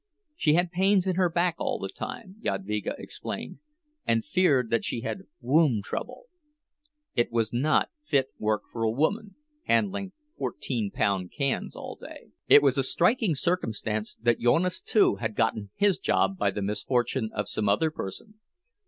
She had pains in her back all the time, Jadvyga explained, and feared that she had womb trouble. It was not fit work for a woman, handling fourteen pound cans all day. It was a striking circumstance that Jonas, too, had gotten his job by the misfortune of some other person.